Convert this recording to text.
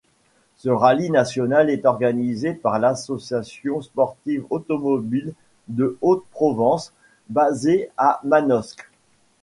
Ce rallye national est organisé par l’Association sportive automobile de Haute-Provence, basée à Manosque.